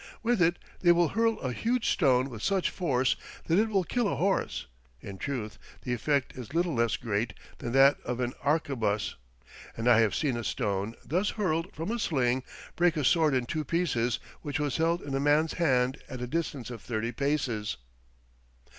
With it, they will hurl a huge stone with such force that it will kill a horse; in truth, the effect is little less great than that of an arquebus; and I have seen a stone, thus hurled from a sling, break a sword in two pieces which was held in a man's hand at a distance of thirty paces."